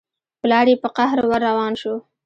پلار يې په قهر ور روان شو.